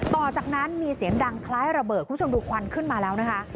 ต่อจากนั้นมีเสียงดังคล้ายระเบิดคุณผู้ชมดูควันขึ้นมาแล้วนะคะ